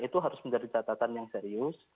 dan juga harus menjadi peratatan yang serius